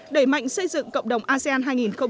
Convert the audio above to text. đẩy mạnh xây dựng cộng đồng asean hai nghìn hai mươi năm